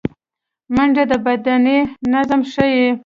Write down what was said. منډه د بدني نظم ښيي